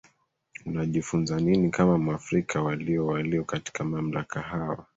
unajifunza nini kama mwafrika walio walio katika mamlaka hawa